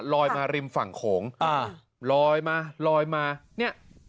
ลอยมาริมฝั่งโขงอ่าลอยมาลอยมาเนี่ย